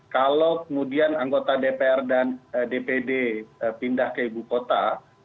kalau kemudian anggota dpr dan dpd pindah ke ibu kota